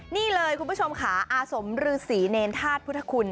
นี่เลยคุณผู้ชมค่ะอาสมฤษีเนรธาตุพุทธคุณ